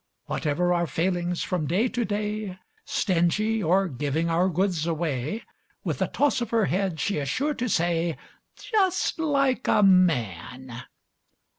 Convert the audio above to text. Whatever our failings from day to day Stingy, or giving our goods away With a toss of her head, she is sure to say, "Just like a man!"